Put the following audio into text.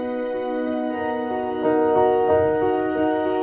kamu nggak salah kok